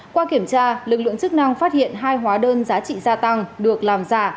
qua kiểm tra lực lượng chức năng phát hiện hai hóa đơn giá trị gia tăng được làm giả